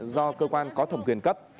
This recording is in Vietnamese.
do cơ quan có thẩm quyền cấp